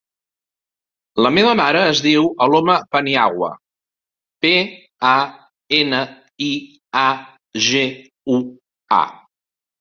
La meva mare es diu Aloma Paniagua: pe, a, ena, i, a, ge, u, a.